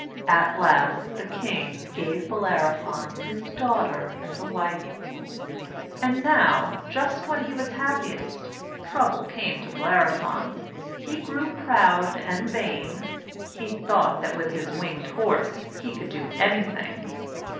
At last the King gave Bellerophon his daughter as a wife. And now, just when he was happiest, trouble came to Bellerophon. He grew proud and vain. He thought that with his winged horse, he could do anything.